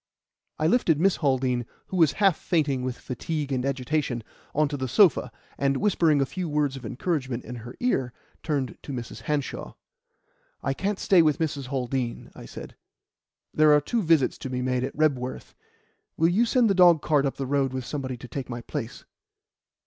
I lifted Miss Haldean, who was half fainting with fatigue and agitation, on to the sofa, and, whispering a few words of encouragement into her ear, turned to Mrs. Hanshaw. "I can't stay with Mrs. Haldean," I said. "There are two visits to be made at Rebworth. Will you send the dogcart up the road with somebody to take my place?"